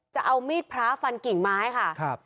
จะเอามีดพระฟันกิ่งไม้ค่ะครับ